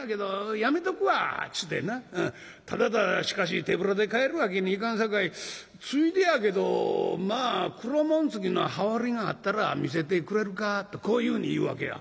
『ただただしかし手ぶらで帰るわけにいかんさかいついでやけどまあ黒紋付きの羽織があったら見せてくれるか？』とこういうふうに言うわけや」。